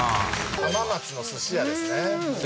浜松の寿司屋ですね。